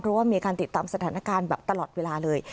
เพราะว่ามีการติดตามสถานการณ์แบบตลอดเวลาเลย